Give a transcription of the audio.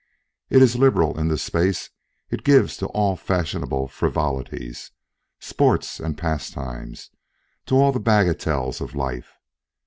It is liberal in the space it gives to all fashionable frivolities, sports and pastimes, to all the bagatelles of life.